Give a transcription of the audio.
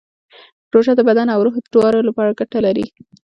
روژه د بدن او روح دواړو لپاره ګټه لري.